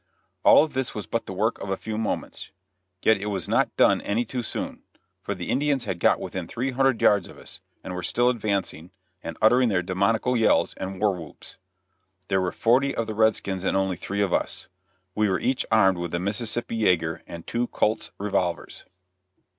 All this was but the work of a few moments, yet it was not done any too soon, for the Indians had got within three hundred yards of us, and were still advancing, and uttering their demoniacal yells or war whoops. There were forty of the red skins and only three of us. We were each armed with a Mississippi yager and two Colt's revolvers.